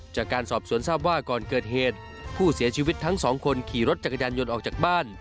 จากการสอบสวนทราบว่าก่อนเกิดเหตุผู้เสียชีวิตทั้งสองคนขี่รถจักรยานยนต์ออกจากบ้าน